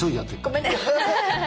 ごめんね。